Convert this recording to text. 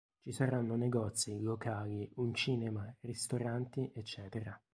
Ci saranno negozi, locali, un cinema, ristoranti, ecc.